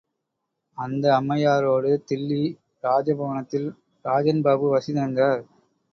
அந்த அம்மையாரோடு தில்லி ராஜபவனத்தில் ராஜன்பாபு வசித்து வந்தார்.